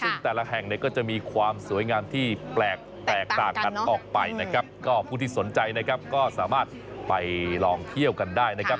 ซึ่งแต่ละแห่งเนี่ยก็จะมีความสวยงามที่แปลกแตกต่างกันออกไปนะครับก็ผู้ที่สนใจนะครับก็สามารถไปลองเที่ยวกันได้นะครับ